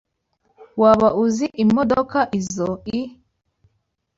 Waba uzi imodoka izoi?